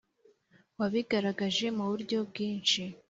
wabigaragaje muburyo bwinshi